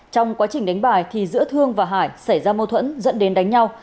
trong quá trình đánh bài thì giữa thương và hải xảy ra mâu thuẫn dẫn đến đánh nhau